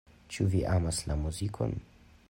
Ĉu vi amas la muzikon?